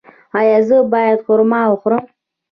ایا زه باید خرما وخورم؟